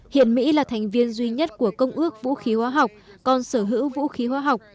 hiện mỹ là thành viên duy nhất của công ước vũ khí hóa học còn sở hữu vũ khí hóa học